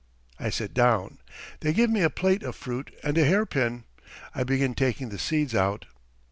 I sit down. They give me a plate of fruit and a hairpin. I begin taking the seeds out.